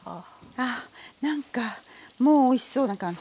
あっ何かもうおいしそうな感じが。